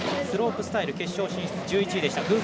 スロープスタイル決勝進出、１１位でした。